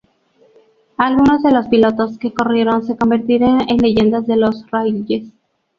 Algunos de los pilotos que corrieron se convertirían en leyendas de los rallyes.